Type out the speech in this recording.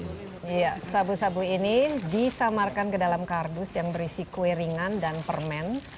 iya sabu sabu ini disamarkan ke dalam kardus yang berisi kue ringan dan permen